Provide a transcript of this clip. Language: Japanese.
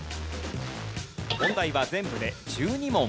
問題は全部で１２問。